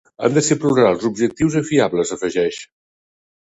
Han de ser plurals, objectius i fiables, afegeix.